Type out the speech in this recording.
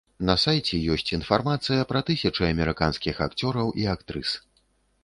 На сайце ёсць інфармацыя пра тысячы амерыканскіх акцёраў і актрыс.